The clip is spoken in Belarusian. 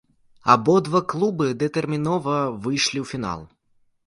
Абодва клубы датэрмінова выйшлі ў фінал.